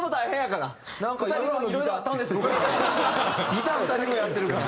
ギター２人分やってるから。